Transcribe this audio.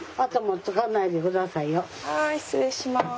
はい失礼します。